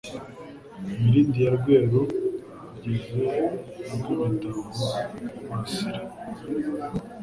Mirindi ya Rweru ugeze i rwimitavu urasira